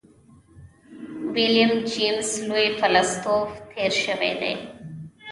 ويليم جېمز لوی فيلسوف تېر شوی دی.